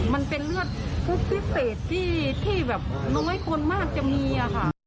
มันเป็นเลือดทุกพิเศษที่แบบน้อยคนมากจะมีอะค่ะ